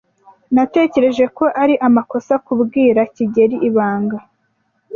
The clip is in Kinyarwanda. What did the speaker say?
Natekereje ko ari amakosa kubwira kigeli ibanga.